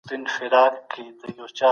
دفاع وزارت نړیوال قانون نه نقض کوي.